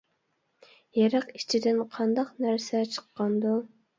؟ يىرىق ئىچىدىن قانداق نەرسە چىققاندۇ؟ !